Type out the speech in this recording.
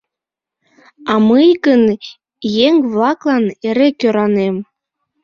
А мый гын еҥ-влаклан эре кӧранем.